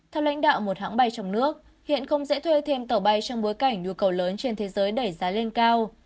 theo lãnh đạo một hãng bay trong nước hiện không dễ thuê thêm tàu bay trong bối cảnh nhu cầu lớn trên thế giới đẩy giá lên cao